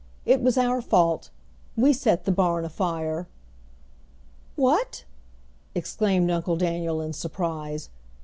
"It was our fault; we set the barn afire!" "What!" exclaimed Uncle Daniel in surprise.